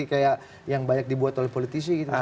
kayak yang banyak dibuat oleh politisi gitu